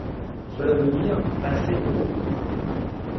Cela veut dire : Assez de dogmes.